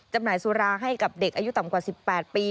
จำหน่ายสุราให้กับเด็กอายุต่ำกว่า๑๘ปี